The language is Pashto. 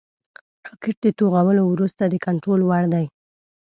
راکټ د توغولو وروسته د کنټرول وړ دی